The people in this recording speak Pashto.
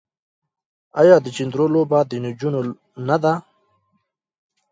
آیا د چيندرو لوبه د نجونو نه ده؟